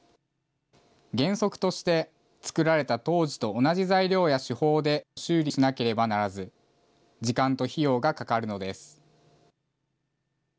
原則として、作られた当時と同じ材料や手法で、修理しなければならず、時間と費用がかかるのです。